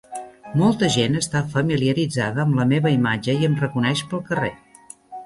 Molta gent està familiaritzada amb la meva imatge i em reconeix pel carrer.